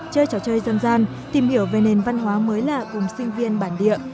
chơi trò chơi dân gian tìm hiểu về nền văn hóa mới lạ cùng sinh viên bản địa